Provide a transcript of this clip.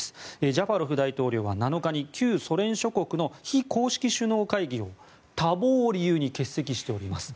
ジャパロフ大統領は７日に旧ソ連諸国の非公式首脳会議を多忙を理由に欠席しております。